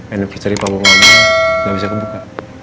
anniversary panggung lama gak bisa kebuka